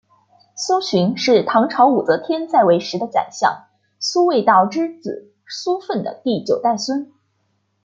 苏洵是唐朝武则天在位时的宰相苏味道之子苏份的第九代孙。